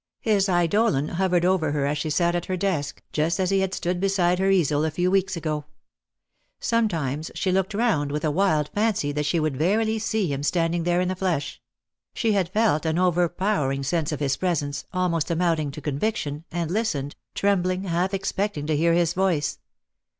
His eidolon hovered over her as she sat tit her desk, just as he had stood beside her easel a few weeks ago. Sometimes she looked round, with a wild fancy that she would verily see him standing there in the flesh ; she had felt an overpowering sense of his presence, almost amounting to conviction, and listened, trembling, half expecting to hear his voice.